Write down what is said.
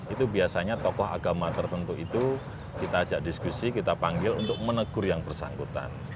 itu biasanya tokoh agama tertentu itu kita ajak diskusi kita panggil untuk menegur yang bersangkutan